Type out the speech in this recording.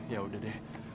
ya udah deh